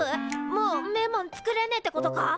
もうんめえもん作れねえってことか！？